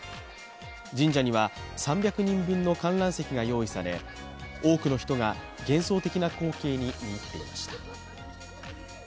神社には３００人分の観覧席が用意され多くの人が幻想的な光景に見入っていました。